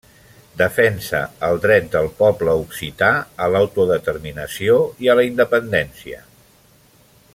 Defensa el dret del poble occità a l'autodeterminació i a la independència.